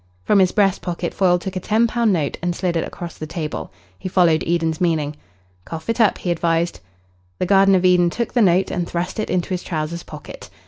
From his breast pocket Foyle took a ten pound note and slid it across the table. He followed Eden's meaning. "Cough it up," he advised. The Garden of Eden took the note and thrust it into his trousers pocket.